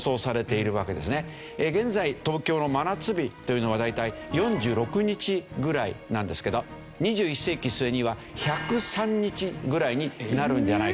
現在東京の真夏日というのは大体４６日ぐらいなんですけど２１世紀末には１０３日ぐらいになるんじゃないか。